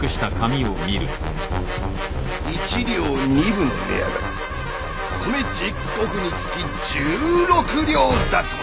一両二分の値上がり米十石につき十六両だとな。